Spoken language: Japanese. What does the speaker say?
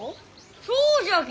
そうじゃき！